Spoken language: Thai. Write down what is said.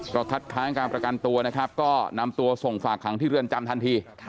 ก็คัดค้างการประกันตัวนะครับก็นำตัวส่งฝากขังที่เรือนจำทันที